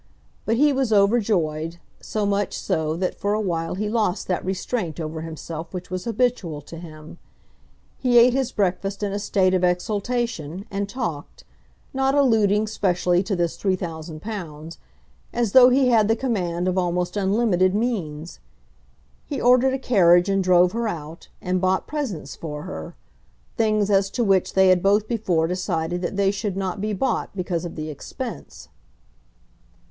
But he was overjoyed, so much so that for a while he lost that restraint over himself which was habitual to him. He ate his breakfast in a state of exultation, and talked, not alluding specially to this £3000, as though he had the command of almost unlimited means. He ordered a carriage and drove her out, and bought presents for her, things as to which they had both before decided that they should not be bought because of the expense.